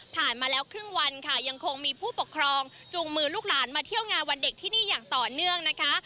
มาแล้วครึ่งวันค่ะยังคงมีผู้ปกครองจูงมือลูกหลานมาเที่ยวงานวันเด็กที่นี่อย่างต่อเนื่องนะคะ